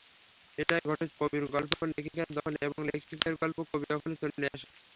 এটাই ঘটেছে—কবির গল্প লেখিকার দখলে এবং লেখিকার গল্প কবির দখলে চলে আসে।